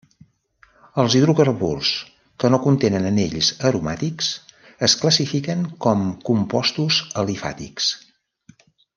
Els hidrocarburs que no contenen anells aromàtics es classifiquen com compostos alifàtics.